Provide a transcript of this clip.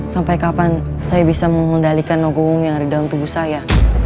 sampai kapan saya bisa mengendalikan nogowong yang ada di dalam tubuh saya